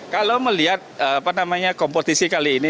kalau melihat kompetisi kali ini